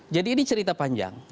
jadi ini cerita panjang